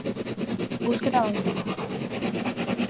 Búsqueda Avanzada